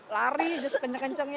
lari just kenceng kencengnya